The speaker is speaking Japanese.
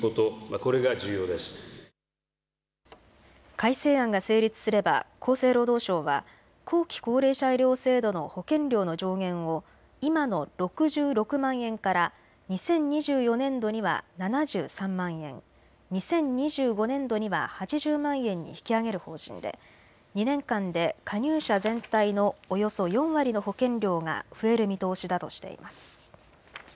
改正案が成立すれば厚生労働省は後期高齢者医療制度の保険料の上限を今の６６万円から２０２４年度には７３万円、２０２５年度には８０万円に引き上げる方針で２年間で加入者全体のおよそ４割の保険料が増える見通しだとしています。